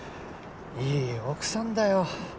いい奥さんだよ。